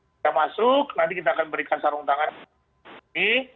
kita masuk nanti kita akan berikan sarung tangan ini